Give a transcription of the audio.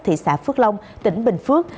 thị xã phước long tỉnh bình phước